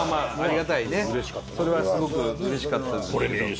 それはすごくうれしかったですけど。